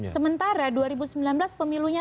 sementara dua ribu sembilan belas pemilunya